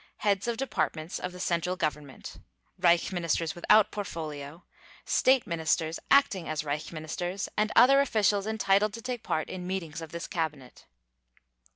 heads of departments of the central Government; Reich Ministers without portfolio; State Ministers acting as Reich Ministers; and other officials entitled to take part in meetings of this cabinet.